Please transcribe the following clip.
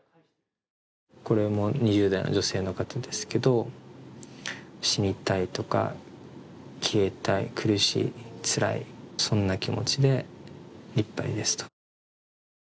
これも２０代の女性の方ですけど死にたいとか消えたい、苦しい、つらい、そんな気持ちでいっぱいです、と。